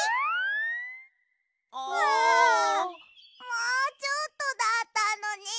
もうちょっとだったのに！